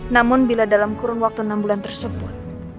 namun bila dalam kurun waktu enam bulan tersebut